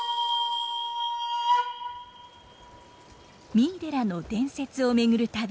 三井寺の伝説を巡る旅。